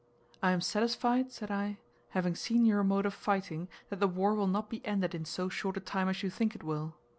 "I am satisfied," said I, "having seen your mode of fighting, that the war will not be ended in so short a time as you think it will.